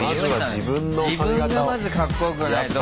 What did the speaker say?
自分がまずかっこよくないと。